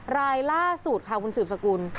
รายล่าสูตรขาวุนสืบสกุล